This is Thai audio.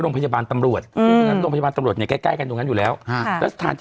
ปรากฏว่า